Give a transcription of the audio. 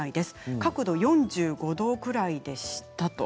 角度４５度ぐらいでした。